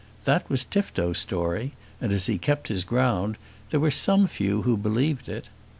That was Tifto's story, and as he kept his ground, there were some few who believed it.